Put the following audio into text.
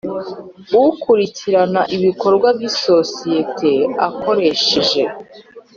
Ukurikirana ibikorwa by isosiyete akoresheje